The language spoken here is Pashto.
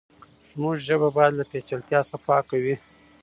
زموږ ژبه بايد له پېچلتيا څخه پاکه وي.